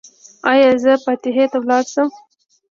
ایا زه فاتحې ته لاړ شم؟